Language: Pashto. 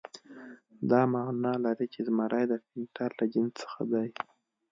دا معنی لري چې زمری د پینتر له جنس څخه دی.